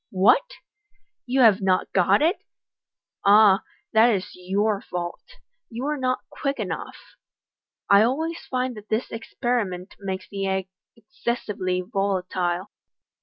" What ! you have not got it ? Ah, that is your fault j you were not quick enough. I always find that this experiment makes the egg excessively volatile."